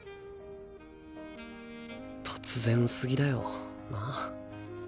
突然すぎだよな。